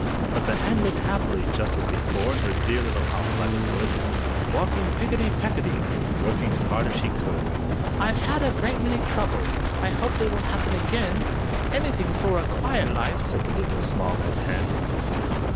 But the Hen lived happily, just as before, In her dear little house by the wood, Walking picketty pecketty, Working as hard as she could. "I've had a great many troubles! I hope they won't happen again; Anything for a quiet life!" Said the Little Small Red Hen.